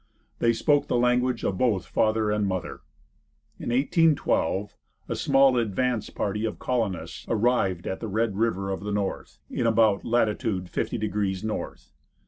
They spoke the language of both father and mother. In 1812 a small advance party of colonists arrived at the Red River of the North, in about latitude fifty degrees north.